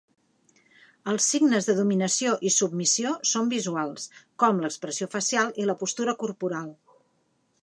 Els signes de dominació i submissió són visuals, com l'expressió facial i la postura corporal.